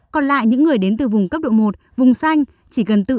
còn lại những người đến từ vùng cấp độ một vùng xanh chỉ cần tự